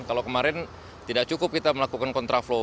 kalau kemarin tidak cukup kita melakukan kontraflow